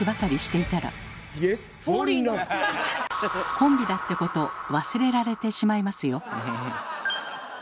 コンビだってこと忘れられてしまいますよ。